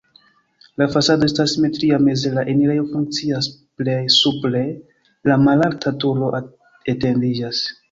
La fasado estas simetria, meze la enirejo funkcias, plej supre la malalta turo etendiĝas.